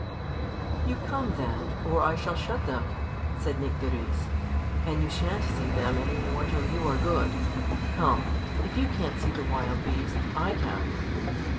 _) "You come, then, or I shall shut them," said Nycteris, "and you sha'n't see them any more till you are good. Come. If you can't see the wild beasts, I can."